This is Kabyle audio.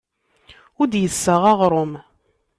Ur d-yessaɣ aɣrum.